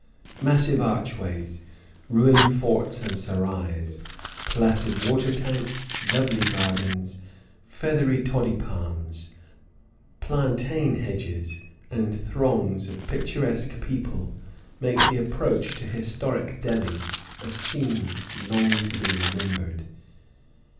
Massive archways, ruined forts and serais, placid water tanks, lovely gardens, feathery toddy palms, plantain hedges, and throngs of picturesque people make the approach to historic Delhi a scene long to be remembered.